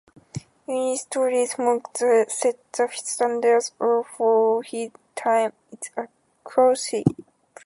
Haquini's history as a monk set the standards for his time as archbishop.